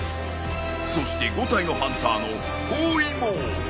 そして５体のハンターの包囲網！